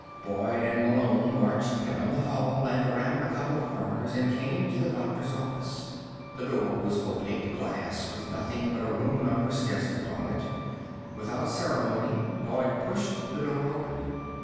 Boyd and Malone marched down the hall and around a couple of corners, and came to the doctor's office. The door was opaqued glass with nothing but a room number stenciled on it. Without ceremony, Boyd pushed the door open.